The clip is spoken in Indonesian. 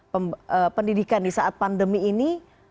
pendidikan di saat pandemi ini